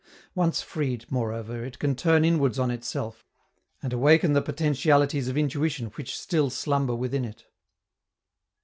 Once freed, moreover, it can turn inwards on itself, and awaken the potentialities of intuition which still slumber within it.